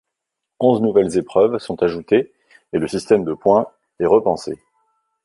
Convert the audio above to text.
Onze nouvelles épreuves sont ajoutées et le système de points est repensé.